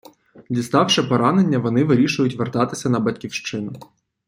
Діставши поранення, вони вирішують вертатися на батьківщину.